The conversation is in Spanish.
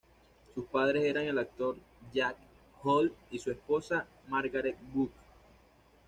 Sus padres eran el actor Jack Holt y su esposa, Margaret Woods.